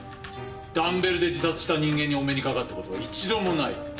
ダンベルで自殺した人間にお目にかかったことは一度もない。